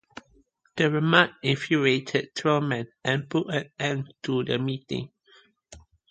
The remark infuriated Truman and put an end to the meeting.